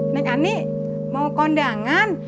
nek ani mau kondangan